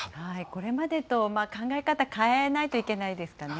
これまでと考え方、変えないといけないですかね。